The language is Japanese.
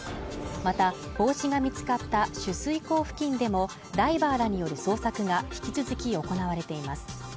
また帽子が見つかった取水口付近でもダイバーらによる捜索が引き続き行われています